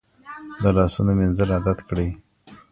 د لاسونو مینځل عادت کړئ.